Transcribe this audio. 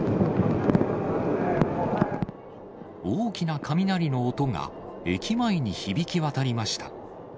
大きな雷の音が駅前に響き渡りました。